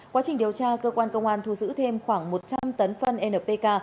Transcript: quá trình điều tra cơ quan công an thu giữ thêm khoảng một trăm linh tấn phân npk